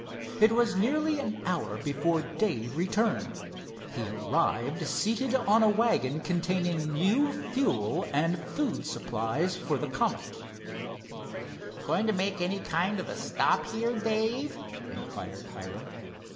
It was nearly an hour before Dave returned. He arrived seated on a wagon containing new fuel and food supplies for the Comet. "Going to make any kind of a stop here, Dave?" inquired Hiram.